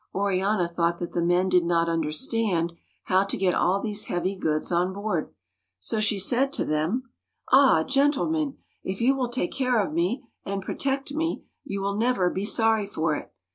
Oriana thought that the men did not understand how to get all these heavy goods on board. So she said to them :— "Ah! gentlemen, if you will take care of me and protect me, you will never be sorry for it.